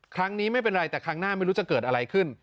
ครั้งนี้ไม่เป็นไรแต่ครั้งหน้าไม่รู้จะเกิดอะไรขึ้น